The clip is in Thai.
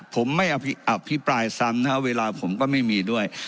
ผมไม่อภิปรายซ้ำนะครับเวลาผมก็ไม่มีด้วย